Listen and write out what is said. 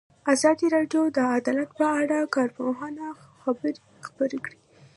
ازادي راډیو د عدالت په اړه د کارپوهانو خبرې خپرې کړي.